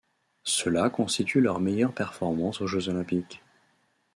Cela constitue leur meilleure performance aux Jeux olympiques.